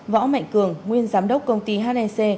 võ mạnh cường nguyên giám đốc công ty hnc